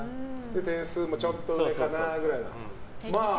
点数もちょっと上かなくらい。